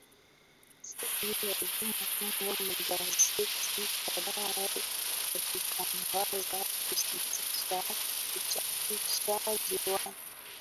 siku ya juma tano magazeti kadhaa yalitangaza kusitisha uchapishaji wake